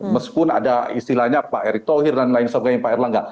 meskipun ada istilahnya pak erick thohir dan lain sebagainya pak erlangga